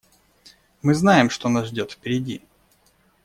Мы знаем, что нас ждет впереди.